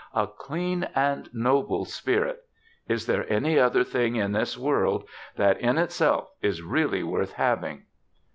"A clean and noble spirit! Is there any other thing in this world that, in itself, is really worth having?"